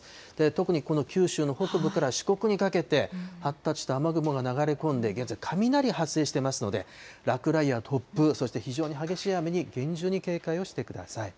特にこの九州の北部から四国にかけて、発達した雨雲が流れ込んで、現在、雷発生していますので、落雷や突風、そして非常に激しい雨に厳重に警戒をしてください。